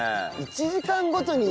１時間ごとに。